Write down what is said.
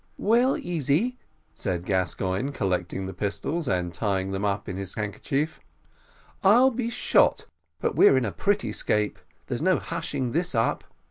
"Well, Easy," said Gascoigne, collecting the pistols and tying them up in his handkerchief, "I'll be shot, but we're in a pretty scrape; there's no hushing this up.